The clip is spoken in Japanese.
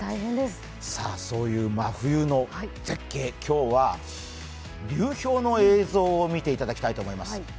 そういう真冬の絶景、今日は流氷の映像を見ていただきたいと思います。